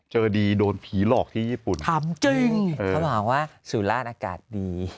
เจอดีโดนผีหลอกที่ญี่ปุ่นทำจริงเขาบอกว่าสุราชอากาศดี